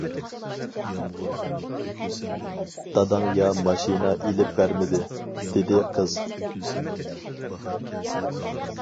داداڭ يا ماشىنا ئېلىپ بەرمىدى-دېدى قىز.